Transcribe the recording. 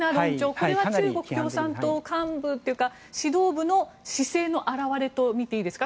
これは中国共産党幹部というか指導部の姿勢の表れとみていいですか？